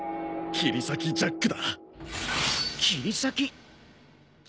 切り裂きジャック！？